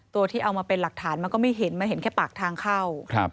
ตัวที่เอามาเป็นหลักฐานมันก็ไม่เห็นมันเห็นแค่ปากทางเข้า